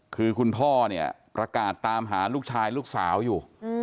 คือคุณพ่อเนี่ยประกาศตามหาลูกชายลูกสาวอยู่